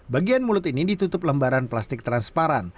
bagian mulut ini ditutup lembaran plastik transparan